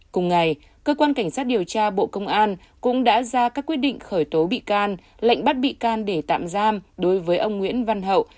cùng ngày cơ quan cảnh sát điều tra bộ công an cũng đã ra các quyết định khởi tố bị can lệnh bắt bị can để tạm giam đối với ông nguyễn văn hậu